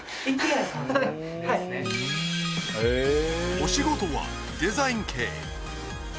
お仕事はデザイン系。